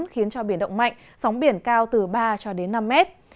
khiến cho biển động mạnh sóng biển cao từ ba cho đến năm mét